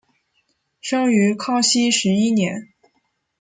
生于康熙十一年。